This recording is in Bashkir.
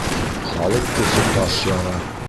Халыҡ көсө таш яра.